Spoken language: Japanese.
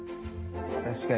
確かに。